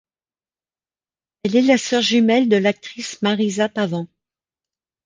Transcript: Elle est la sœur jumelle de l'actrice Marisa Pavan.